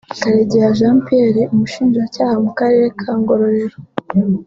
Karegeya Jean Pierre Umushinjacyaha mu Karere ka Ngororero